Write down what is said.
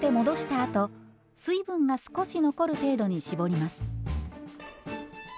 あと水分が少し残る程度に絞ります。